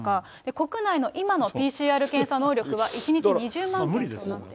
国内の今のＰＣＲ検査能力は、１日２０万件となっています。